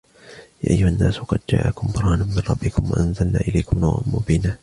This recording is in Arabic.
يا أيها الناس قد جاءكم برهان من ربكم وأنزلنا إليكم نورا مبينا